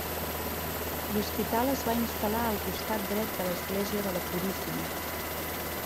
L'hospital es va instal·lar al costat dret de l'església de la Puríssima.